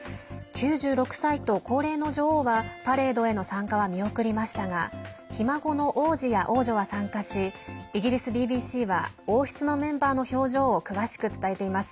９６歳と高齢の女王はパレードへの参加は見送りましたがひ孫の王子や王女は参加しイギリスＢＢＣは王室のメンバーの表情を詳しく伝えています。